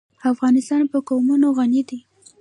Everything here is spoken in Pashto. افغانستان په قومونه غني دی.